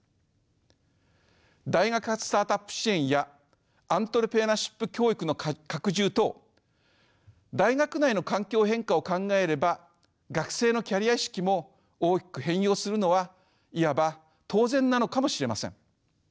大学発スタートアップ支援やアントレプレナーシップ教育の拡充等大学内の環境変化を考えれば学生のキャリア意識も大きく変容するのはいわば当然なのかもしれません。